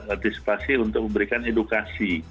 antisipasi untuk memberikan edukasi